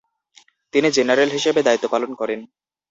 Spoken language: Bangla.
তিনি জেনারেল হিসেবে দায়িত্ব পালন করেন।